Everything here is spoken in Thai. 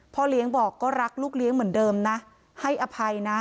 พ่อเลี้ยงบอกก็รักลูกเลี้ยงเหมือนเดิมนะให้อภัยนะ